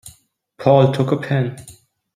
Paul took a pen.